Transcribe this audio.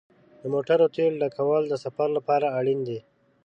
د موټر تیلو ډکول د سفر لپاره اړین دي.